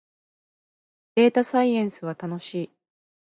データサイエンスは楽しい